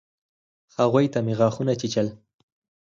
هغوى ته مې غاښونه چيچل.